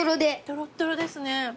トロットロですね。